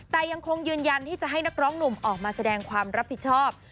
แต่ยังคงยืนยันที่จะให้นักร้องหนุ่มออกมาแสดงความรับผิดชอบ